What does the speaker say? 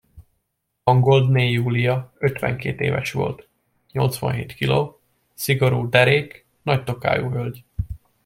Vangoldné Julia ötvenkét éves volt, nyolcvanhét kiló, szigorú, derék, nagy tokájú hölgy.